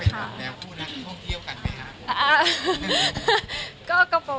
เป็นแบบแนวผู้นักที่ท่องเที่ยวกันไปหาผู้นัก